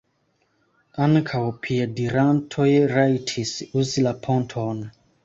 Ankaŭ piedirantoj rajtis uzi la ponton.